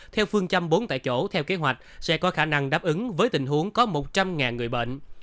theo phương châm bốn tại chỗ theo kế hoạch sẽ có khả năng đáp ứng với tình huống có một trăm linh người bệnh